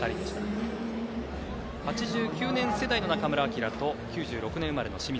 ８９年世代の中村晃と９０年生まれの清水。